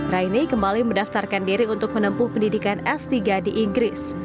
raini kembali mendaftarkan diri untuk menempuh pendidikan s tiga di inggris